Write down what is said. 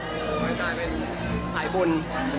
ไม่ได้เป็นสายบุญ